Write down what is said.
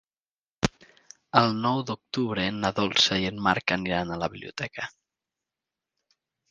El nou d'octubre na Dolça i en Marc aniran a la biblioteca.